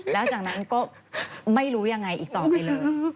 แล้วจากนั้นก็ไม่รู้ยังไงอีกต่อไปเลย